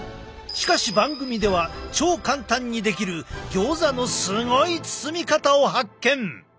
しかし番組では超簡単にできるギョーザのすごい包み方を発見！